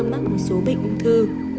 mắc một số bệnh ung thư